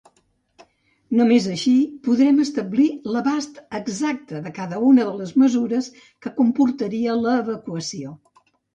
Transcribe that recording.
Només així podrem establir l'abast exacte de cadascuna de les mesures que comportaria l'evacuació.